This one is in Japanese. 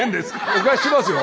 お貸ししますよ。